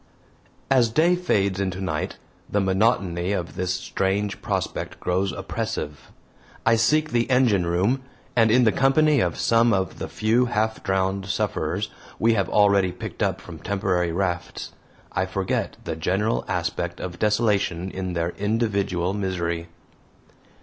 As day fades into night the monotony of this strange prospect grows oppressive. I seek the engine room, and in the company of some of the few half drowned sufferers we have already picked up from temporary rafts, I forget the general aspect of desolation in their individual misery.